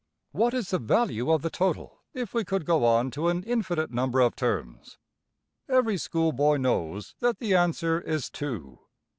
What is the value of the total if we could go on to an infinite number of terms? Every schoolboy knows that the answer is~$2$.